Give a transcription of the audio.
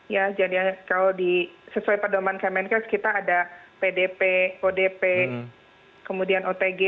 ya jadi kalau sesuai perdoman kemenkes kita ada pdp odp kemudian otg